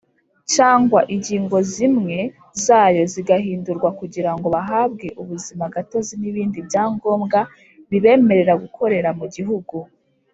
cyangwa ingingo zimwe zayo, zigahindurwa kugira ngo bahabwe ubuzima gatozi n’ibindi byangombwa bibemerera gukorera mugihugu.